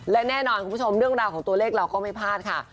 และแน่นอนคุณผู้ชมเรื่องราวของตัวเลขเราก็ไม่พลาดค่ะ